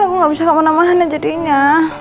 aku nggak bisa kemana mana jadinya